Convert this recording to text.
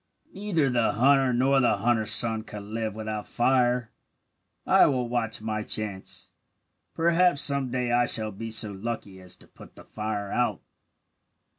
"Neither the hunter nor the hunter's son could live, without fire. I will watch my chance. Perhaps some day I shall be so lucky as to put the fire out."